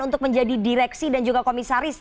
untuk menjadi direksi dan juga komisaris